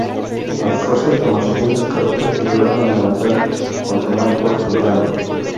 Las fuerzas de Martínez Cartón llegaron a amenazar con tomar Puertollano.